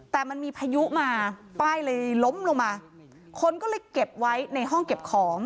แต่มันมีพายุมาป้ายเลยล้มลงมาคนก็เลยเก็บไว้ในห้องเก็บของ